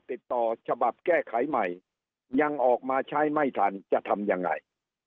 ติดต่อฉบับแก้ไขใหม่ยังออกมาใช้ไม่ทันจะทำยังไง